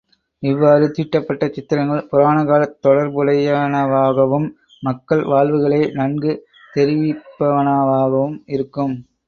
இவ்வாறு தீட்டப்பட்ட சித்திரங்கள், புராண காலத் தொடர்புடையனவாகவும், மக்கள் வாழ்வுகளே நன்கு தெரிவிப்பனவாகும் இருக்கும்.